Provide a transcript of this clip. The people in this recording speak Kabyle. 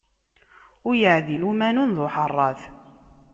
Ur yeɛdil umanun d uḥeṛṛat.